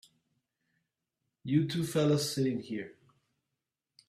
You two fellas sit in here.